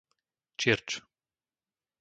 Čirč